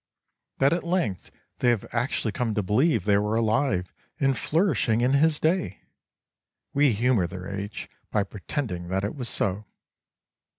that at length they have actually come to believe they were alive and flourishing in his day! We humour their age by pretending that it was so.